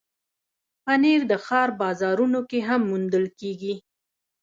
پنېر د ښار بازارونو کې هم موندل کېږي.